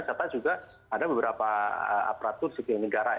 serta juga ada beberapa aparatur sipil negara